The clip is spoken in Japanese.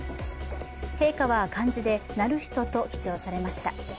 陛下は漢字で「徳仁」と記帳されました。